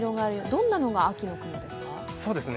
どんなのが秋の雲ですか？